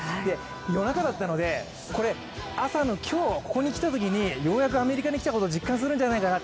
夜中だったので、朝の今日ここに来たときにようやくアメリカに来たことを実感するんじゃないかな